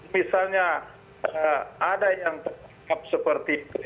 misalnya ada yang tertangkap seperti itu